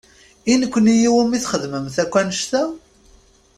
I nekni i wumi txedmemt akk annect-a?